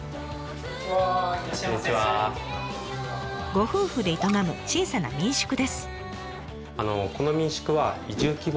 ご夫婦で営む小さな民宿です。